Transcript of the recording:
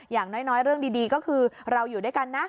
อย่างน้อยเรื่องดีก็คือเราอยู่ด้วยกันนะ